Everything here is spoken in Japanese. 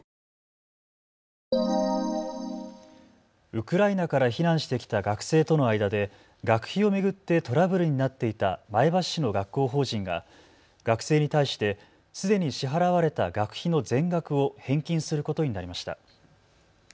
ウクライナから避難してきた学生との間で学費を巡ってトラブルになっていた前橋市の学校法人が学生に対してすでに支払われた学費の全額を返金することになりました。